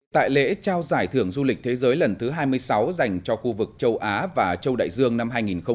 tại lễ trao giải thưởng du lịch thế giới lần thứ hai mươi sáu dành cho khu vực châu á và châu đại dương năm hai nghìn hai mươi